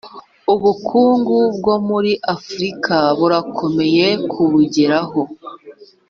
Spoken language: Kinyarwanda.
ubukungu bwo muri afurika burakomeye kubugeraho